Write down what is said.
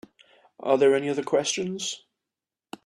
Are there any other questions?